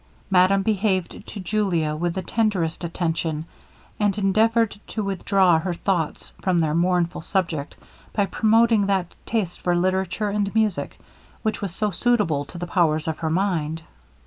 Madame behaved to Julia with the tenderest attention, and endeavoured to withdraw her thoughts from their mournful subject by promoting that taste for literature and music, which was so suitable to the powers of her mind.